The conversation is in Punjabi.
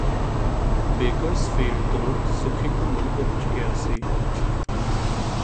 ਬੇਕਰਜ਼ਫੀਲਡ ਤੋਂ ਸੁੱਖੀ ਘੁੰਮਣ ਪਹੁੰਚ ਗਿਆ ਸੀ